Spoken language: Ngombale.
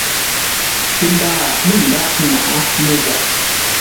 Tə mbaa lə ndághʼ nŋwaʼá mə́zap.